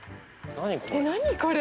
何これ？